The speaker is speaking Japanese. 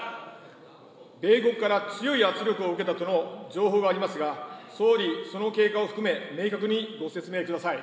米国から強い圧力を受けたとの情報がありますが、総理、その経過を含め、明確にご説明ください。